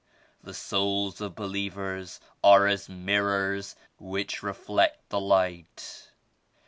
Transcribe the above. The souls of Believers are as mirrors which re flect that Light.